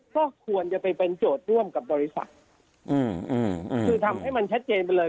ก็ควรจะไปเป็นโจทย์ร่วมกับบริษัทอืมคือทำให้มันชัดเจนไปเลย